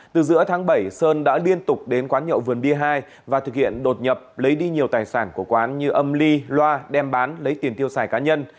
từ giữa tháng bảy sơn đã liên tục đến quán nhậu vườn bia hai và thực hiện đột nhập lấy đi nhiều tài sản của quán như âm ly loa đem bán lấy tiền tiêu xài cá nhân